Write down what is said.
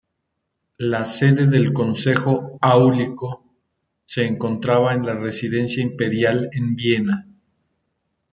La sede del Consejo Áulico se encontraba en la residencia imperial en Viena.